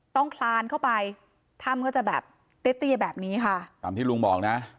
ต้องคลานเข้าไปถ้ำก็จะแบบแบบนี้ค่ะตามที่ลุงบอกนะ